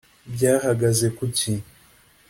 byahagaze kuki